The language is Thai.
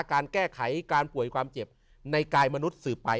การแก้ไขการป่วยความเจ็บในกายมนุษย์สืบไป